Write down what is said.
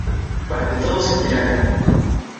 para que todos se enteraran